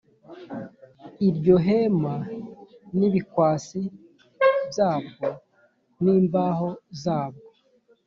iryo hema n ibikwasi byabwo n imbaho zabwo